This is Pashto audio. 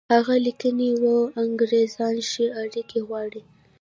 هغه لیکلي وو انګرېزان ښې اړیکې غواړي.